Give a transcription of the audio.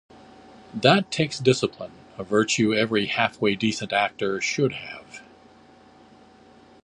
That takes discipline, a virtue every halfway decent actor should have.